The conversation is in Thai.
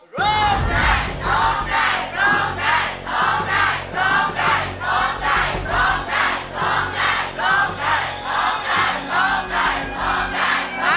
ร้องได้